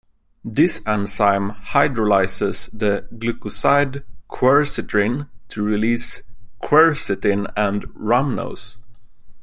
This enzyme hydrolyzes the glycoside quercitrin to release quercetin and -rhamnose.